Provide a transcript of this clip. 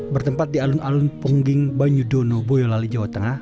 bertempat di alun alun pungging banyudono boyolali jawa tengah